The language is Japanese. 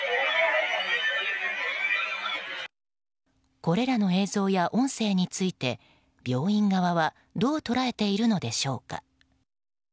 これらの映像や音声について病院側はどう捉えているのでしょうか。